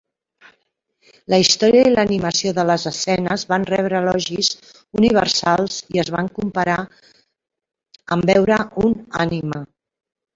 La història i l'animació de les escenes van rebre elogis universals i es van comparar amb veure un anime.